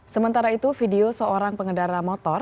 sementara itu video seorang pengendara motor